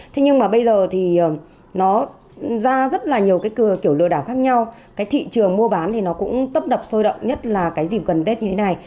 thế nhưng mà bây giờ thì nó ra rất là nhiều cái cửa kiểu lừa đảo khác nhau cái thị trường mua bán thì nó cũng tấp đập sôi động nhất là cái dịp gần tết như thế này